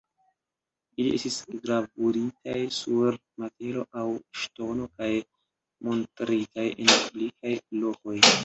Ili estis gravuritaj sur metalo aŭ ŝtono kaj montritaj en publikaj lokoj.